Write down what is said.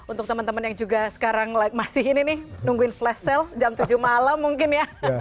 untuk teman teman yang juga sekarang masih ini nih nungguin flash sale jam tujuh malam mungkin ya